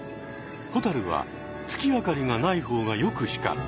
ホタルは月明かりがない方がよく光る。